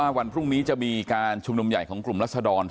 เพราะว่าวันพรุ่งนี้จะมีการชุมนมใหญ่ของกลุ่มรัฐธรรม